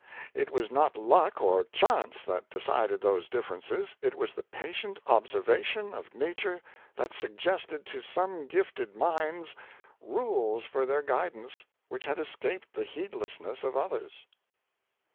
It was not luck or chance that decided those differences; it was the patient observation of na ture that suggested to some gifted minds rules for their guidance which had escaped the heedlessness of others.'